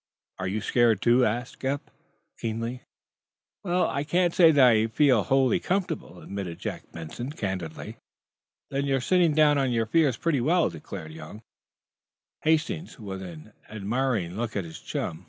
"Are you scared, too?" asked Eph, keenly. "Well, I can't say I feel wholly comfortable," admitted Jack Benson, candidly. "Then you're sitting down on your fears pretty well," declared young Hastings, with an admiring look at his chum.